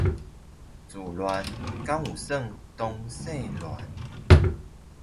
自戀算不算同性戀？